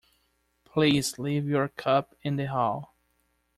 Please leave your cup in the hall.